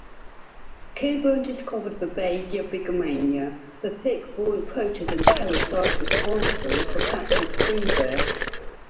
Kilbourne discovered "Babesia bigemina", the tick-borne protozoan parasite responsible for Texas fever.